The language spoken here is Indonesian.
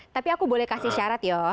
tapi aku boleh kasih syarat ya